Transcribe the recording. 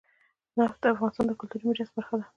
نفت د افغانستان د کلتوري میراث برخه ده.